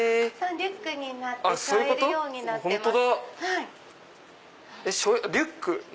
リュックになります。